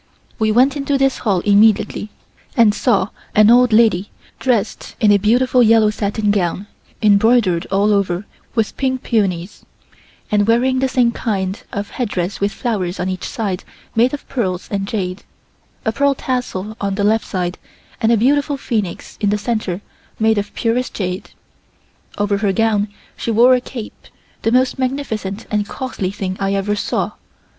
We went into this hall immediately and saw an old lady dressed in a beautiful yellow satin gown embroidered all over with pink peonies, and wearing the same kind of headdress with flowers on each side made of pearls and jade, a pearl tassel on the left side and a beautiful phoenix in the center made of purest jade. Over her gown she wore a cape, the most magnificent and costly thing I ever saw.